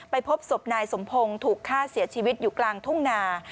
พบศพนายสมพงศ์ถูกฆ่าเสียชีวิตอยู่กลางทุ่งนา